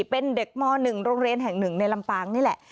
เป็นเด็กม๑โรงเรียนแห่ง๑ในลำปางนี่แหละ